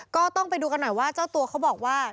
ก็ต้องไปดูกันหน่อยว่าเจ้าตัวเขาบอกว่า